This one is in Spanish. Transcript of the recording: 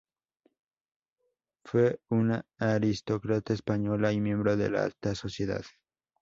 Fue una aristócrata española y miembro de la alta sociedad.